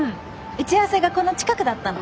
打ち合わせがこの近くだったの。